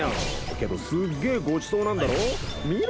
けどすっげえごちそうなんだろ？